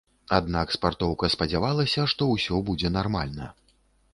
Аднак спартоўка спадзявалася, што ўсё будзе нармальна.